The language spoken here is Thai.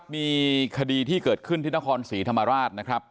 มีคดีที่เกิดขึ้นที่นครศรีธรรมราชนะครับ